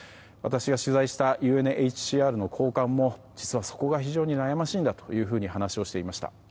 私が取材したＵＮＨＣＲの高官も実はそこが非常に悩ましいと話をしていました。